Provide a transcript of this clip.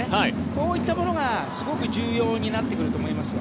こういったものがすごく重要になってくると思いますよ。